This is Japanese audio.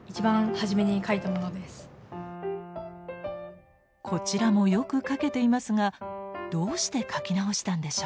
こちらもよく描けていますがどうして描き直したんでしょう？